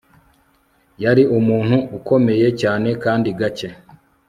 yari umuntu ukomeye cyane kandi gake